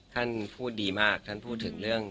ท่านพูดดีมากท่านพูดถึงเรื่อง